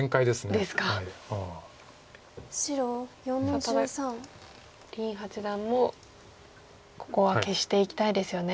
さあただ林八段もここは消していきたいですよね。